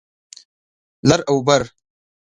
لر او بر